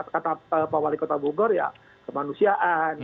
kata pak wali kota bogor ya kemanusiaan